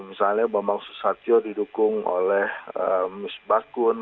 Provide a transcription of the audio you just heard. misalnya bambang susatyo didukung oleh miss bakun